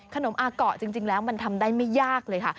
อาเกาะจริงแล้วมันทำได้ไม่ยากเลยค่ะ